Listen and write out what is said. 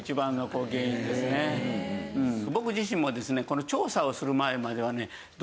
僕自身もですね